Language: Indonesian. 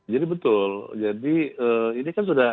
jadi betul jadi ini kan sudah